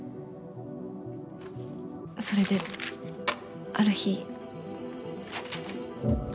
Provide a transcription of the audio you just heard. それである日。